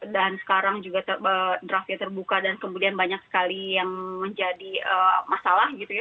dan sekarang juga draftnya terbuka dan kemudian banyak sekali yang menjadi masalah gitu ya